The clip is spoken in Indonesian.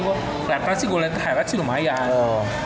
keliatan sih gue lihat highlight sih lumayan